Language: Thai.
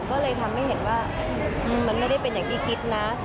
ก็เลยทำให้เห็นว่ามันไม่ได้เป็นอย่างที่คิดนะ